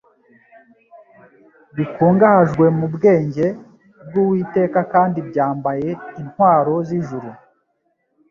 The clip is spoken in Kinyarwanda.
Bikungahajwe mu bwenge bw'Uwiteka kandi byambaye intwaro z'ijuru,